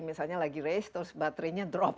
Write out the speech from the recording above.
misalnya lagi race terus baterainya drop